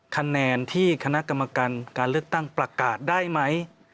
คะแนนที่คณะกรรมการการเลือกตั้งประกาศได้ไหม